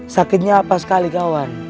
sakitnya apa sekali kawan